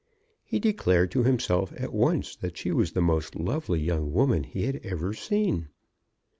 He declared to himself at once that she was the most lovely young woman he had ever seen.